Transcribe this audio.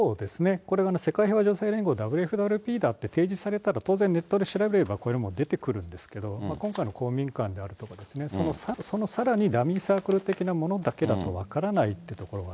これが世界平和女性連合・ＷＦＷＰだって提示されたら、当然ネットで調べれば、これ、出てくるんですけど、今回の公民館とか、そのさらにダミーサークル的なものだと分からないってところがあ